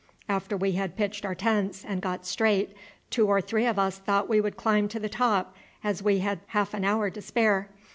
After we had pitched our tents and got straight, two or three of us thought we would climb up to the top, as we had half an hour to spare.